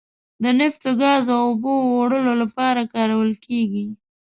د نفتو، ګازو او اوبو وړلو لپاره کارول کیږي.